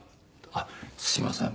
「あっすいません。